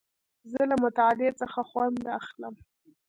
زه له مطالعې څخه خوند اخلم.